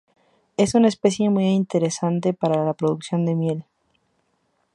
Es una especie muy interesante para producción de miel.